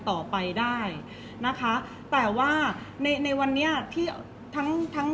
เพราะว่าสิ่งเหล่านี้มันเป็นสิ่งที่ไม่มีพยาน